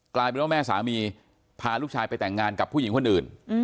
กลายเป็นว่าแม่สามีพาลูกชายไปแต่งงานกับผู้หญิงคนอื่น